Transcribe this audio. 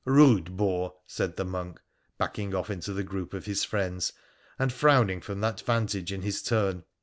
' Rude boar !' said the monk, backing off into the group of his friends, and frowning from that vantage in his turn.